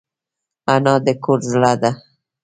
انا د کور زړه ده